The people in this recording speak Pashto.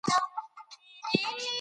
انټرنیټ د زده کړې چانس زیاتوي.